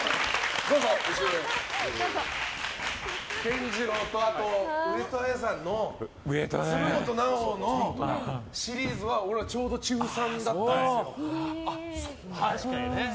健次郎と上戸彩さんの鶴本直のシリーズはちょうど中３だったんですよ。